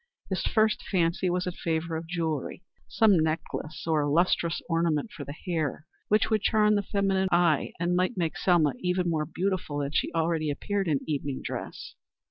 His first fancy was in favor of jewelry some necklace or lustrous ornament for the hair, which would charm the feminine eye and might make Selma even more beautiful than she already appeared in evening dress.